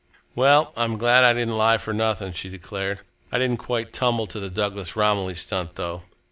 "Well, I'm glad I didn't lie for nothing," she declared. "I didn't quite tumble to the Douglas Romilly stunt, though.